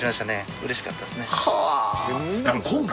うれしかったですね。